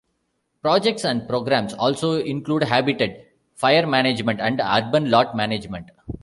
Projects and programs also include habitat, fire management, and urban lot management.